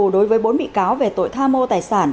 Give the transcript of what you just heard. đối với bốn bị cáo về tội tham mô tài sản